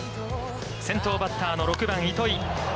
先頭バッターの６番糸井。